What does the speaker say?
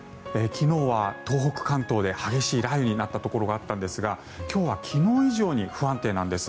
昨日は東北、関東で激しい雷雨になったところがあったんですが今日は昨日以上に不安定なんです。